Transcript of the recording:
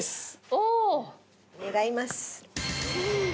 おお。願います。